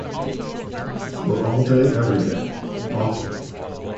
For all day everyday. Awful.